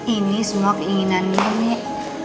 ini semua keinginan nenek